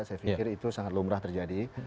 saya pikir itu sangat lumrah terjadi